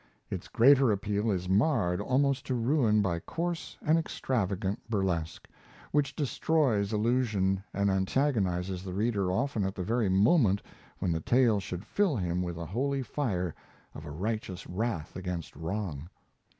its greater appeal is marred almost to ruin by coarse and extravagant burlesque, which destroys illusion and antagonizes the reader often at the very moment when the tale should fill him with a holy fire of a righteous wrath against wrong.